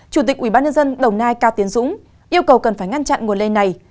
chủ tịch ủy ban nhân dân đồng nai cao tiến dũng yêu cầu cần phải ngăn chặn nguồn lây này